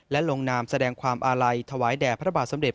และลงนามแสดงความอาลัยถวายแด่พระบาทสำเด็